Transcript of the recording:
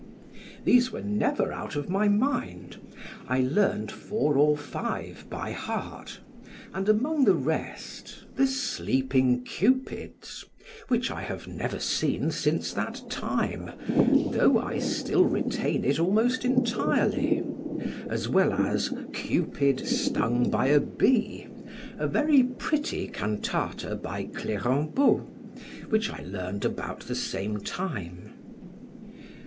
These were never out of my mind; I learned four or five by heart, and among the rest, 'The Sleeping Cupids', which I have never seen since that time, though I still retain it almost entirely; as well as 'Cupid Stung by a Bee', a very pretty cantata by Clerambault, which I learned about the same time.